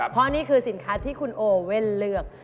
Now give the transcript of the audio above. เพราะนี่คือสินค้าที่คุณโอเว่นเลือก